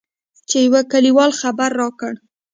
چې يوه کليوال خبر راکړ.